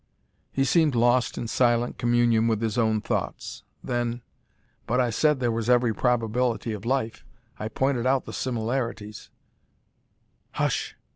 He seemed lost in silent communion with his own thoughts; then: "But I said there was every probability of life; I pointed out the similarities " "Hush!"